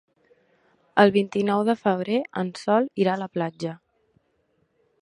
El vint-i-nou de febrer en Sol irà a la platja.